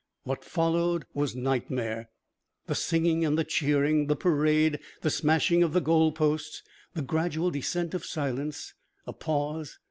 What followed was nightmare. The singing and the cheering. The parade. The smashing of the goal posts. The gradual descent of silence. A pause.